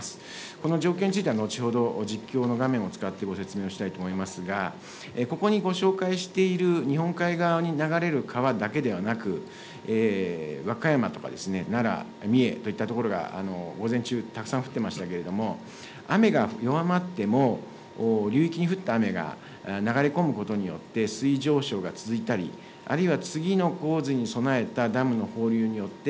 この状況については、後ほど実況の画面を使ってご説明をしたいと思いますが、ここにご紹介している日本海側に流れる川だけではなく、和歌山とか奈良、三重といった所が、午前中、たくさん降っていましたけれども、雨が弱まっても流域に降った雨が流れ込むことによって、水位上昇が続いたり、あるいは次の洪水に備えたダムの放流によって、